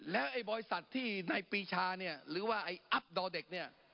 แล้วไอ้บริษัทที่ในปีชาเนี่ยหรือว่าไอ้อัพดอร์เด็กเนี่ย